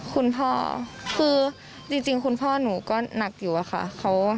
คุณพ่อคือจริงคุณพ่อหนูก็หนักอยู่อะค่ะ